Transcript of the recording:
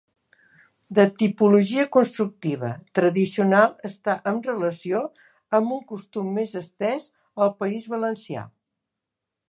De tipologia constructiva tradicional està amb relació amb un costum més estès al País Valencià.